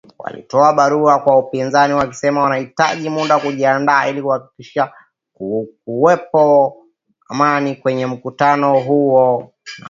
Walitoa barua kwa upinzani wakisema wanahitaji muda kujiandaa ili kuhakikisha kunakuwepo Amani kwenye mkutano huo